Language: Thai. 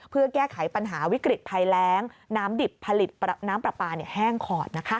เพื่อแก้ไขปัญหาวิกฤตภัยแรงน้ำดิบผลิตน้ำปลาปลาแห้งขอด